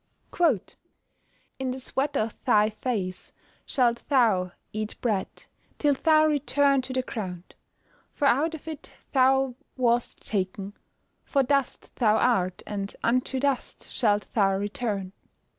[Verse: "In the sweat of thy face shalt thou eat bread, till thou return to the ground; for out of it thou wast taken: for dust thou art, and unto dust shalt thou return."